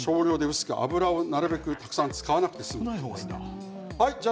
油をなるべくたくさん使わなくて済む。